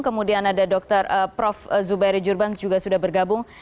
kemudian ada prof jubairi jurbang juga sudah bergabung